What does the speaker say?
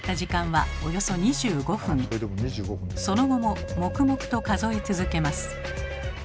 その後も黙々と数え続けます。